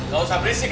gak usah berisik